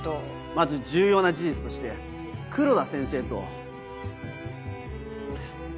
まず重要な事実として黒田先生と。